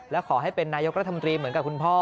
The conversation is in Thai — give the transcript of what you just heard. และขอให้เป็นนายกรัฐมนตรีเหมือนกับคุณพ่อ